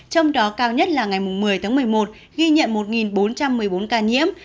trong đó cao nhất là ngày một mươi tháng một mươi một ghi nhận một bốn trăm một mươi bốn ca nhiễm